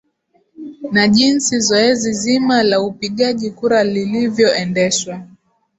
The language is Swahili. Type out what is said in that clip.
na jinsi zoezi zima la upigaji kura lilivyoendeshwa